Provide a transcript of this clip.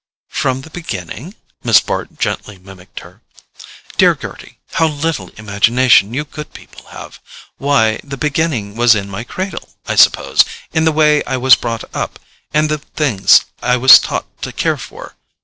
"From the beginning?" Miss Bart gently mimicked her. "Dear Gerty, how little imagination you good people have! Why, the beginning was in my cradle, I suppose—in the way I was brought up, and the things I was taught to care for.